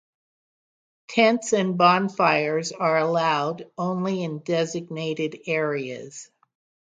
Tents and bonfires are allowed only in designated areas.